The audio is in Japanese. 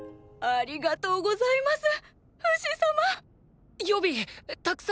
ありがとうございます！